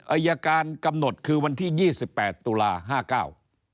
อัยการกำหนดคือวันที่๒๘ตุลาห้าเก้า